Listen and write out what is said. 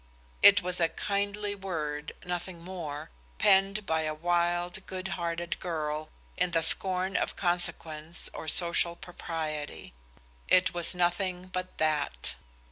It was a kindly word, nothing more, penned by a wild, good hearted girl, in the scorn of consequence or social propriety. It was nothing but that.